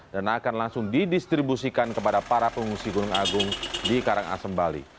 dan akan langsung didistribusikan kepada para pengungsi gunung agung di karangasem bali